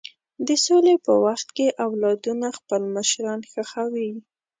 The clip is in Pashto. د سولې په وخت کې اولادونه خپل مشران ښخوي.